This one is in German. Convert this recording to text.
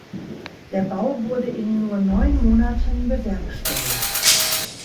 Der Bau wurde in nur neun Monaten bewerkstelligt.